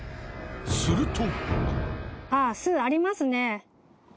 すると。